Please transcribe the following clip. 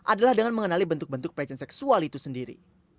adalah dengan mengenali bentuk bentuk pelecehan seksual itu sendiri